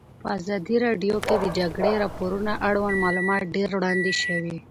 په ازادي راډیو کې د د جګړې راپورونه اړوند معلومات ډېر وړاندې شوي.